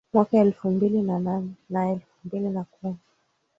Mwaka elfu mbili na nane na elfu mbili na kumi